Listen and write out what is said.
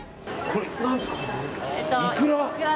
これ、何ですか？